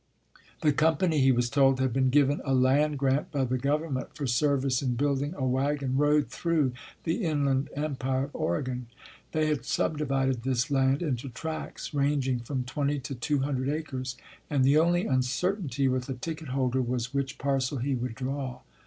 The company, he was told, had been given a land grant by the government for service in building a wagon road through the inland empire of Oregon. They had subdivided this land into tracts ranging from twenty to two hundred acres, and the only uncertainty with a ticket holder was which parcel he would draw.